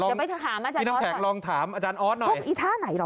ลองพี่ท้องแขกลองถามอาจารย์ออสหน่อยจะไปถามอาจารย์ออส